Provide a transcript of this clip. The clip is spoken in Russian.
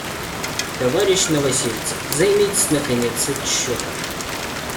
Товарищ Новосельцев, займитесь, наконец, отчетом.